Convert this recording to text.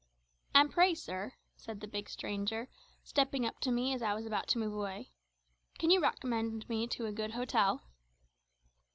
"And pray, sir," said the big stranger, stepping up to me as I was about to move away, "can you recommend me to a good hotel?"